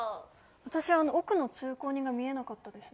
私は奥の通行人が見えなかったですね。